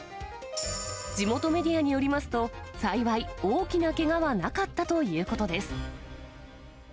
地元メディアによりますと、幸い、大きなけがはなかったということです。